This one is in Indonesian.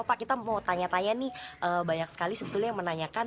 pak kita mau tanya tanya nih banyak sekali sebetulnya yang menanyakan